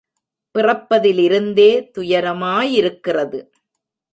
பிறப்பதிலிருந்தே துயரமா யிருக்கிறது.